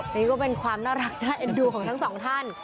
นี่ก็เป็นความน่ารักน่าเอ็นดูของทั้งสองท่าน